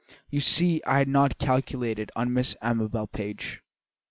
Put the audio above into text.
You see I had not calculated on Miss Amabel Page."